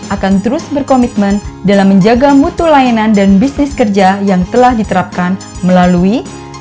akan terus berkomitmen dalam menjaga mutu layanan dan bisnis kerja yang telah diterapkan melalui